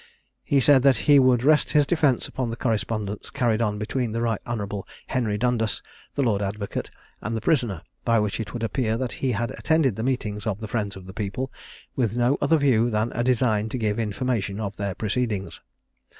He said that he would rest his defence upon the correspondence carried on between the Right Hon. Henry Dundas, the lord advocate, and the prisoner, by which it would appear that he had attended the meetings of the Friends of the People with no other view than a design to give information of their proceedings.